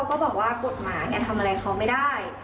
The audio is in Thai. ก็บอกว่ากฎหมายทำอะไรเขาไม่ได้